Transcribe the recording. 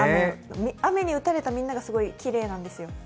雨に打たれたみんながすごいきれいなんですよ。